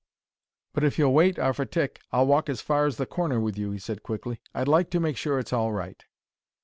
"But if you'll wait 'arf a tick I'll walk as far as the corner with you," he said, quickly. "I'd like to make sure it's all right."